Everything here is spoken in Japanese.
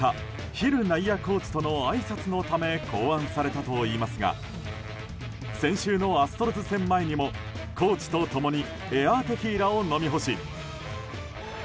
ヒル内野コーチとのあいさつのため考案されたといいますが先週のアストロズ戦前にもコーチと共にエアー・テキーラを飲み干し